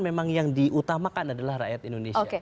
memang yang diutamakan adalah rakyat indonesia